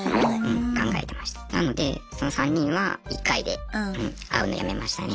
なのでその３人は１回で会うのやめましたね。